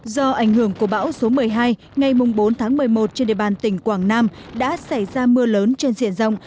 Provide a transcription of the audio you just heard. do ảnh hưởng của bão số một mươi hai ngày bốn tháng một mươi một trên địa bàn tỉnh quảng nam đã xảy ra mưa lớn trên diện rộng